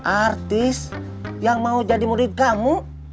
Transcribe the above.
artis yang mau jadi murid kamu